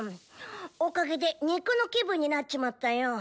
おかげで肉の気分になっちまったよ。